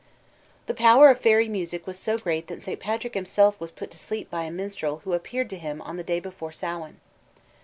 _ The power of fairy music was so great that St. Patrick himself was put to sleep by a minstrel who appeared to him on the day before Samhain.